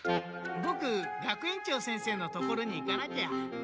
ボク学園長先生の所に行かなきゃ。